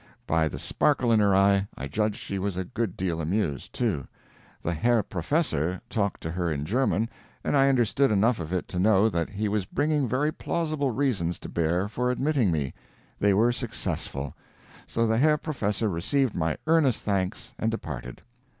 By the sparkle in her eye I judged she was a good deal amused, too. The "Herr Professor" talked to her in German, and I understood enough of it to know that he was bringing very plausible reasons to bear for admitting me. They were successful. So the Herr Professor received my earnest thanks and departed.